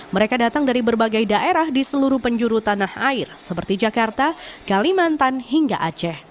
mereka datang dari berbagai daerah di seluruh penjuru tanah air seperti jakarta kalimantan hingga aceh